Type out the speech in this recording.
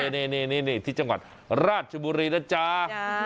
นี่ที่จังหวัดราชบุรีนะจ๊ะ